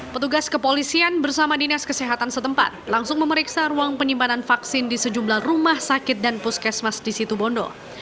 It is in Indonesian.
petugas kepolisian bersama dinas kesehatan setempat langsung memeriksa ruang penyimpanan vaksin di sejumlah rumah sakit dan puskesmas di situ bondo